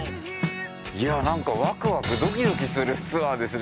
いやなんかワクワクドキドキするツアーですね